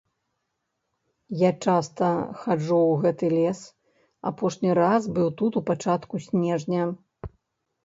Я часта хаджу ў гэты лес, апошні раз быў тут у пачатку снежня.